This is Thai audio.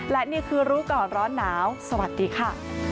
และนี่คือรู้ก่อนร้อนหนาวสวัสดีค่ะ